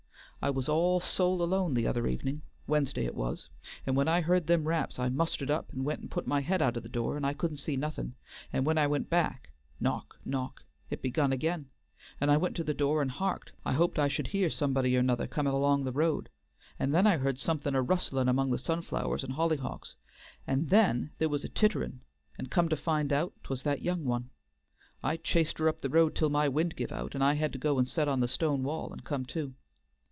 I was all sole alone the other evenin', Wednesday it was, and when I heard them raps I mustered up, and went and put my head out o' the door, and I couldn't see nothing, and when I went back, knock knock, it begun again, and I went to the door and harked. I hoped I should hear somebody or 'nother comin' along the road, and then I heard somethin' a rus'lin' amongst the sunflowers and hollyhocks, and then there was a titterin', and come to find out 'twas that young one. I chased her up the road till my wind give out, and I had to go and set on the stone wall, and come to.